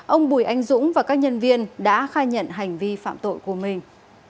ông bùi anh dũng và các nhân viên đã khai nhận hành vi phạm tội của mình